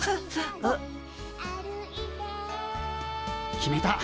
決めた。